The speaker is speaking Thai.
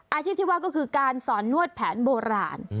อาชีพที่ว่าก็คือการสอนนวดแผนโบราณ